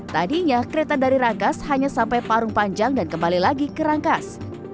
tadinya kereta dari rangkas hanya sampai parung panjang dan kembali lagi ke rangkas